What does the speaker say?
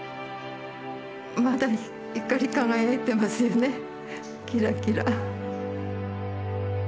まだ光り輝いてますよねキラキラ。